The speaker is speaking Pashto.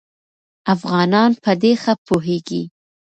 افغانان په دې ښه پوهېږي.